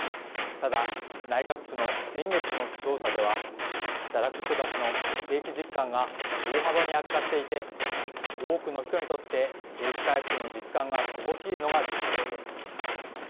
ただ、内閣府の先月の調査では働く人たちの景気実感が大幅に悪化していて多くの人にとって景気回復の実感が乏しいのが実情です。